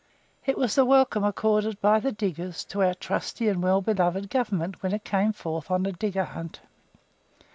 It was the welcome accorded by the diggers to our "trusty and well beloved" Government when it came forth on a digger hunt.